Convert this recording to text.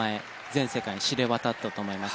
全世界に知れ渡ったと思います。